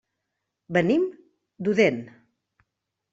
Venim d'Odèn.